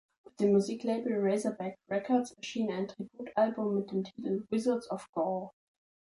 Auf dem Musiklabel "Razorback Records" erschien ein Tributalbum mit dem Titel „Wizards of Gore“.